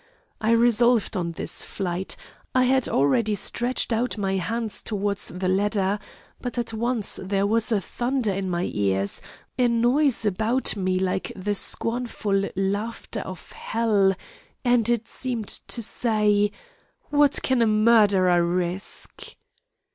I resolved on this flight; I had already stretched my hand towards the ladder, but at once there was a thunder in my ears, a noise about me like the scornful laughter of hell, and it seemed to say: 'What can a murderer risk?